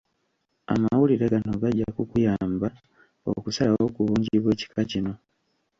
Amawulire gano gajja kukuyamba okusalawo ku bungi bw’ekika kino.